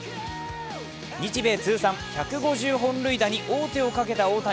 日米通算１５０本塁打に王手をかけた大谷。